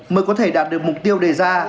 mới có thể đạt được mục tiêu đề ra